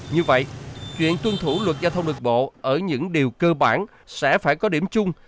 như vậy chuyện tuân thủ luật giao thông đường bộ ở những điều cơ bản sẽ phải có điểm chung